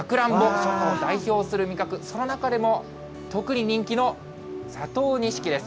初夏を代表する味覚、その中でも、特に人気の佐藤錦です。